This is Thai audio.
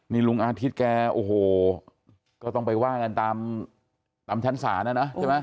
นี่ลุงอาทิตย์แกโอ้โหก็ต้องไปว่ากันตามชั้นศาลนะนะใช่ไหม